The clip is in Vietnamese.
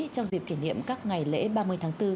trong dịp kỷ niệm các ngày lễ ba mươi tháng bốn